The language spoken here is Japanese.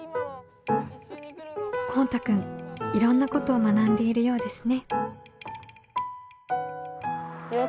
こうたくんいろんなことを学んでいるようですね。